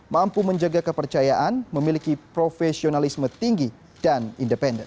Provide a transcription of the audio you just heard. mampu menjaga kepercayaan memiliki profesionalisme tinggi dan independen